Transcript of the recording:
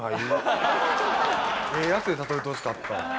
ええやつで例えてほしかった。